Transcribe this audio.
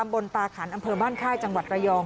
บ้านค่ายจังหวัดประยอง